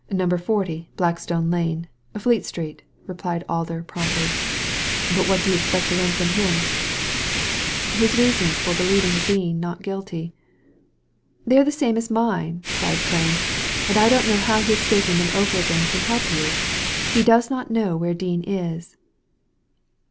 ''Na 40, Blackstone Lane, Fleet Street," replied Alder promptly ; "but what do you expect to learn from him ?"His reasons for believing Dean not guilty." "They are the same as mine," cried Prain, "and I don't know how his stating them over again can help you. He does not know where Dean is."